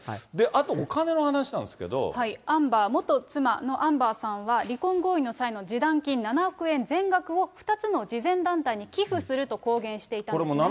あと、お金の話アンバー、元妻のアンバーさんは離婚合意の際の示談金７億円全額を２つの慈善団体に寄付すると公言していたんですね。